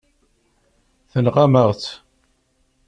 Tenɣam-aɣ-tt.